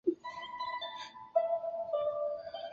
他认为大革命会为欧洲和英国带来急需的政治变革。